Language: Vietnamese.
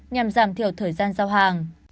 nhằm giảm thiểu thời gian giao hàng